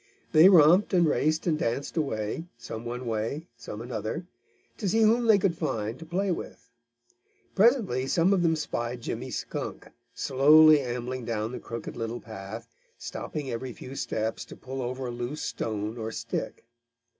They romped and raced and danced away, some one way, some another, to see whom they could find to play with. Presently some of them spied Jimmy Skunk slowly ambling down the Crooked Little Path, stopping every few steps to pull over a loose stone or stick.